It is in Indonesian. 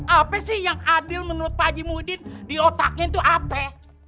apa sih yang adil menurut pak eji muhyiddin di otaknya itu apa